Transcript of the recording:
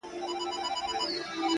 يه پر ما گرانه ته مي مه هېروه،